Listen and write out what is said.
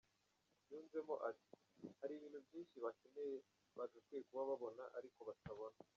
Yunzemo ati “Hari ibintu byinshi bakeneye bagakwiye kuba babona ariko batabona.